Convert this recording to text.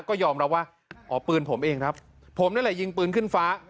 ก็ยอมรับว่าอ๋อปืนผมเองครับผมนั่นแหละยิงปืนขึ้นฟ้า